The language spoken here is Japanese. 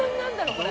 これ。